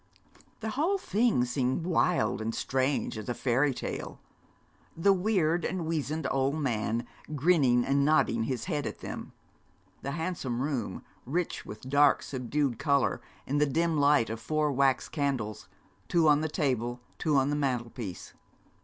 The whole thing seemed wild and strange as a fairy tale. The weird and wizened old man, grinning and nodding his head at them. The handsome room, rich with dark, subdued colour, in the dim light of four wax candles, two on the table, two on the mantelpiece.